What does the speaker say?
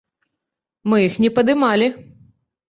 Мы іх не падымалі.